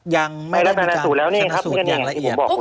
ยังไม่ได้มีการชนะสูตรอย่างละเอียด